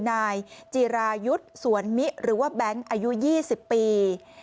นายจีรายุทธ์สวนมิหรือว่าแบงค์อายุ๒๐ปี